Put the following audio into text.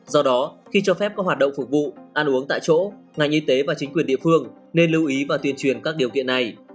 do đó khi cho phép các hoạt động phục vụ ăn uống tại chỗ ngành y tế và chính quyền địa phương nên lưu ý và tuyên truyền các điều kiện này